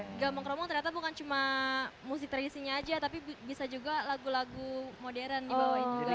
jadi gambang keromong ternyata bukan cuma musik tradisinya aja tapi bisa juga lagu lagu modern dibawah itu